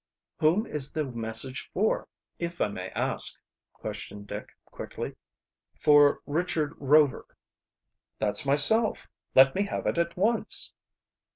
"Whom is the message for, if I may ask?" questioned Dick quickly. "For Richard Rover." "That's myself. Let me have it at once."